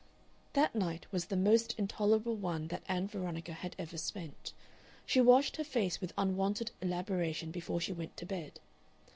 That night was the most intolerable one that Ann Veronica had ever spent. She washed her face with unwonted elaboration before she went to bed.